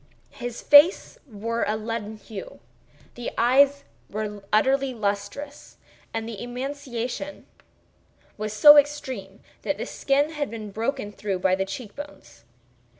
His face wore a leaden hue; the eyes were utterly lustreless; and the emaciation was so extreme that the skin had been broken through by the cheek bones.